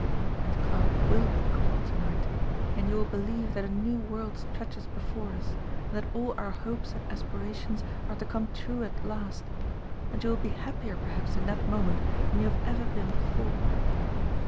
And Clarke will be caught to night, and you will believe that a new world stretches before us, and that all our hopes and aspirations are to come true at last, and you will be happier perhaps in that moment than you have ever been before.